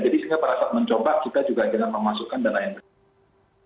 jadi sehingga para satman coba kita juga tidak memasukkan dana yang tersebut